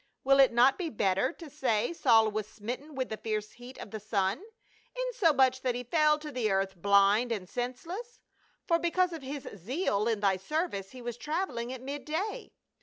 Will it not be better to say, Saul was smitten with the fierce heat of the sun, insomuch that he fell to the earth blind and senseless ; for because of his zeal in thy service he was traveling at midday.